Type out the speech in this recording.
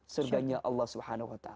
surganya allah subhana wa ta'ala